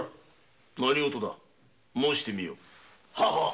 何事だ申してみよ。